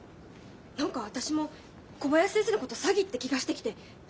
何か私も小林先生のこと詐欺って気がしてきて。